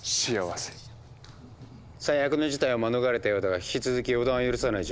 最悪の事態は免れたようだが引き続き予断を許さない状況だな。